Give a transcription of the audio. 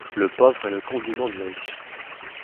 Le pauvre est le condiment du riche.